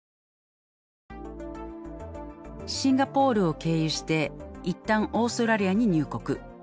シンガポールを経由していったんオーストラリアに入国。